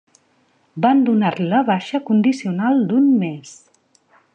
Van donar-li la baixa condicional d'un mes.